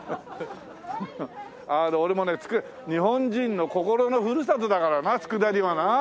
俺もね日本人の心のふるさとだからな佃煮はな。